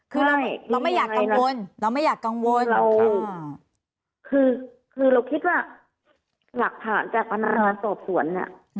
คือเราไม่อยากกังวลเราไม่อยากกังวลคือเราคิดว่าหลักฐานจากพนักงานสอบสวนเนี่ย